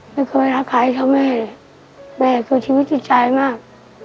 ไม่เคยรักใครเท่าแม่แม่คือชีวิตจิตใจมาก